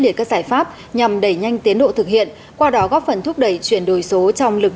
liệt các giải pháp nhằm đẩy nhanh tiến độ thực hiện qua đó góp phần thúc đẩy chuyển đổi số trong lực